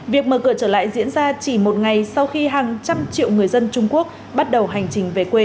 việc mở cửa trở lại diễn ra chỉ một ngày sau khi hàng trăm triệu người dân trung quốc bắt đầu hành trình về quê